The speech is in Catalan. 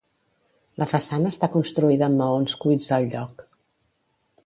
La façana està construïda amb maons cuits al lloc.